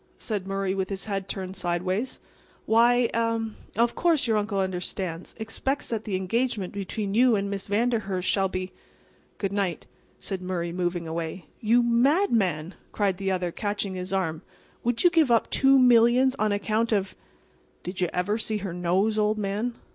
said Murray, with his head turned sidewise. "Why—er—well, of course, your uncle understands—expects that the engagement between you and Miss Vanderhurst shall be"— "Good night," said Murray, moving away. "You madman!" cried the other, catching his arm. "Would you give up two millions on account of"— "Did you ever see her nose, old man?"